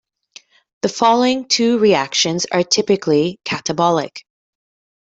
The following two reactions are typically catabolic.